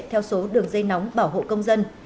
theo số đường dây nóng bảo hộ công dân